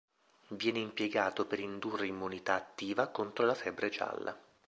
Viene impiegato per indurre immunità attiva contro la febbre gialla.